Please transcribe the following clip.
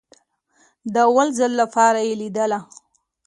د اول ځل لپاره يې ليدله.